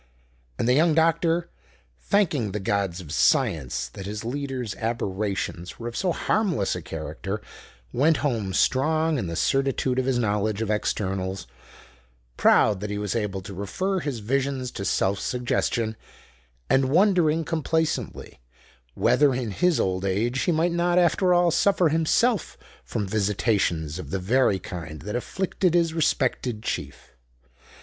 And the young doctor, thanking the gods of science that his leader's aberrations were of so harmless a character, went home strong in the certitude of his knowledge of externals, proud that he was able to refer his visions to self suggestion, and wondering complaisantly whether in his old age he might not after all suffer himself from visitations of the very kind that afflicted his respected chief.